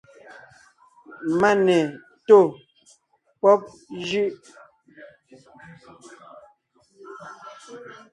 Mane tó pɔ́b jʉ́ʼ.